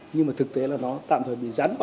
nhưng mà thực tế là nó tạm thời